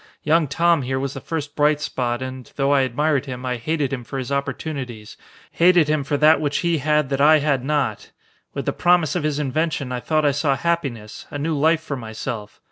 Young Tom here was the first bright spot and, though I admired him, I hated him for his opportunities, hated him for that which he had that I had not. With the promise of his invention I thought I saw happiness, a new life for myself.